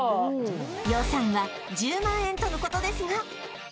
予算は１０万円との事ですが